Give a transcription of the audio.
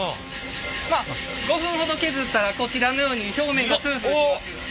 まあ５分ほど削ったらこちらのように表面がツルツルします。